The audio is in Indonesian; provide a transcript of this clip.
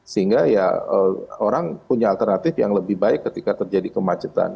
sehingga ya orang punya alternatif yang lebih baik ketika terjadi kemacetan